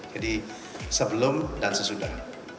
jadi sebelum dan sesudah